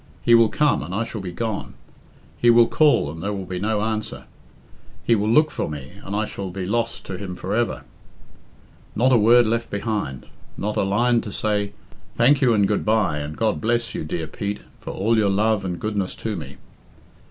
He will come, and I shall be gone. He will call, and there will be no answer. He will look for me, and I shall be lost to him for ever. Not a word left behind. Not a line to say, 'Thank you and good bye and God bless you, dear Pete, for all your love and goodness to rae."'